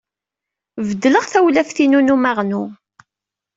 Beddleɣ tawlaft-inu n umaɣnu.